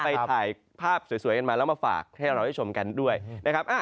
ไปถ่ายภาพสวยกันมาแล้วมาฝากให้เราได้ชมกันด้วยนะครับ